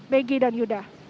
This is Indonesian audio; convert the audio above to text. begi dan yuda